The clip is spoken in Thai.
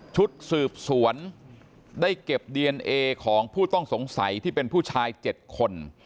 ชุดสืบสวนได้เก็บดีเอนเอของผู้ต้องสงสัยที่เป็นผู้ชาย๗คน